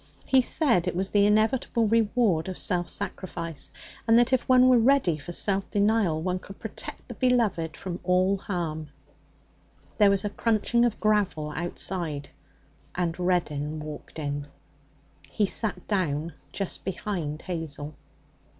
He said it was the inevitable reward of self sacrifice, and that, if one were ready for self denial, one could protect the beloved from all harm. There was a crunching of gravel outside, and Reddin walked in. He sat down just behind Hazel.